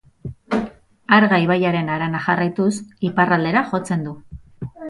Arga ibaiaren harana jarraituz, iparraldera jotzen du.